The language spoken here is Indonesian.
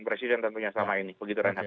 presiden tentunya selama ini